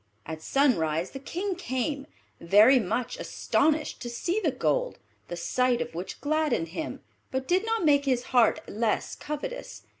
At sunrise the King came, very much astonished to see the gold; the sight of which gladdened him, but did not make his heart less covetous.